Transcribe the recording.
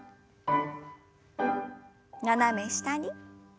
斜め下に。